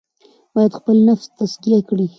باید خپل نفس تزکیه کړي.